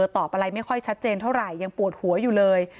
ตอบอะไรไม่ค่อยชัดเจนเท่าไหร่ยังปวดหัวอยู่เลย